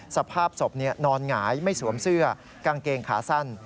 สภาพศพนอนหงายไม่สวมเสื้อกางเกงขาสั้น